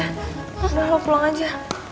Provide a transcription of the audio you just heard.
udah lo pulang aja